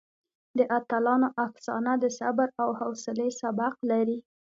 د اتلانو افسانه د صبر او حوصلې سبق لري.